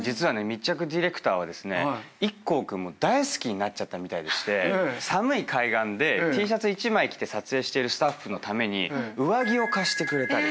密着ディレクターはですね壱孔君大好きになっちゃったみたいでして寒い海岸でＴシャツ１枚着て撮影しているスタッフのために上着を貸してくれたり。